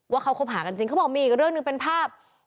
ว่าเขาคบหากันจริงเขาบอกมีอีกเรื่องหนึ่งเป็นภาพ